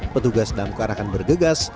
petugas dan keanakan bergegas